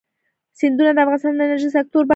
سیندونه د افغانستان د انرژۍ سکتور برخه ده.